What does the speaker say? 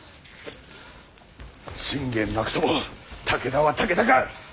信玄なくとも武田は武田か！